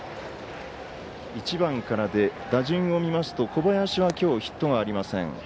１番からで、打順を見ますと小林はきょうヒットがありません。